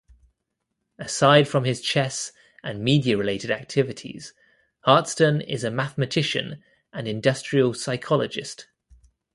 Aside from his chess and media-related activities, Hartston is a mathematician and industrial psychologist.